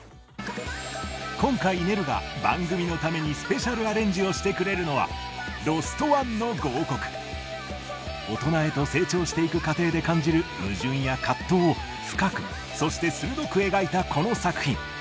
今回Ｎｅｒｕが番組のためにスペシャルアレンジをしてくれるのは大人へと成長していく過程で感じる矛盾や葛藤を深くそして鋭く描いたこの作品。